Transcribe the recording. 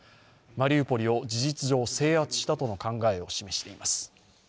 マリウポリを事実上制圧したとの考えを示しています。